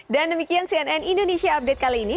dan demikian cnn indonesia update kali ini